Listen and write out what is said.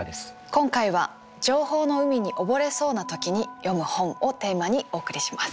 今回は「情報の海に溺れそうな時に読む本」をテーマにお送りします。